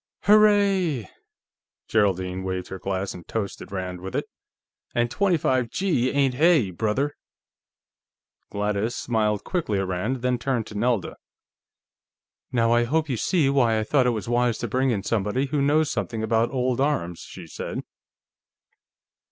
"H'ray!" Geraldine waved her glass and toasted Rand with it. "And twenty five G ain't hay, brother!" Gladys smiled quickly at Rand, then turned to Nelda. "Now I hope you see why I thought it wise to bring in somebody who knows something about old arms," she said.